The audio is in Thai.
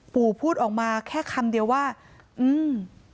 พูดออกมาแค่คำเดียวว่าอืม